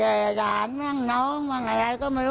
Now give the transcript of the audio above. แห่งหลานแห่งน้องบางอย่างก็ไม่รู้